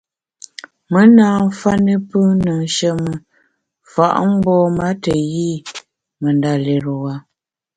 Me na mfa ne pùn ne nsheme fa’ mgbom-a te yi me ndalérewa.